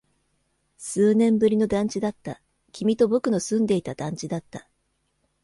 数年ぶりの団地だった。君と僕の住んでいた団地だった。